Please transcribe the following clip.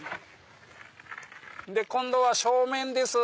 今度は正面です